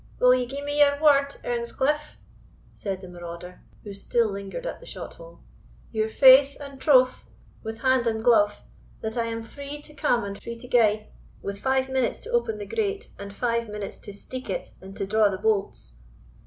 "Will ye gie me your word, Earnscliff," said the marauder, who still lingered at the shot hole, "your faith and troth, with hand and glove, that I am free to come and free to gae, with five minutes to open the grate, and five minutes to steek it and to draw the bolts?